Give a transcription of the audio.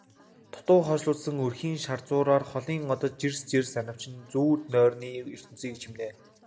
Дутуу хошуулдсан өрхний шазуураар холын одод жирс жирс анивчин зүүд нойрны ертөнцийг чимнэ.